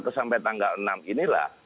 kesampai tanggal enam inilah